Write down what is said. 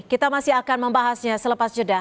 kita masih akan membahasnya selepas jeda